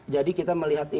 jadi kita melihat ini